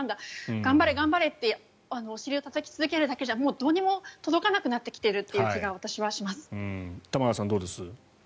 頑張れ、頑張れとお尻をたたき続けるだけじゃどうにも届かなくなってきているという気が玉川さん、どうです？